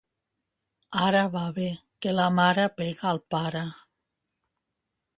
Ara va bé, que la mare pega al pare.